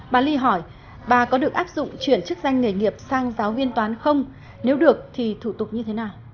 bà ly hỏi bà có được áp dụng chuyển chức danh nghề nghiệp sang giáo viên toán không nếu được thì thủ tục như thế nào